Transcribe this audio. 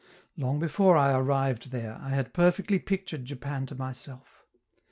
Long before I arrived there, I had perfectly pictured Japan to myself.